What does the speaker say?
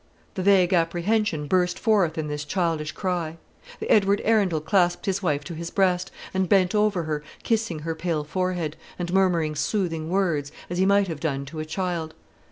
The vague apprehension burst forth in this childish cry. Edward Arundel clasped his wife to his breast, and bent over her, kissing her pale forehead, and murmuring soothing words, as he might have done to a child.